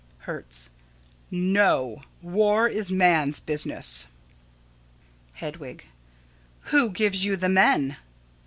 Hertz: No. War is man's business. Hedwig: Who gives you the men?